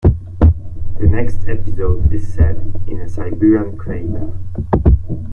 The next episode is set in a Siberian crater.